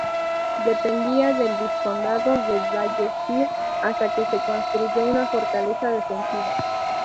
Dependía del vizcondado de Vallespir hasta que se construyó una fortaleza defensiva.